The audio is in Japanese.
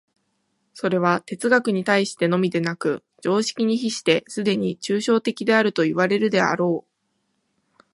それは哲学に対してのみでなく、常識に比してすでに抽象的であるといわれるであろう。